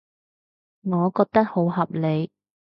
我覺得好合理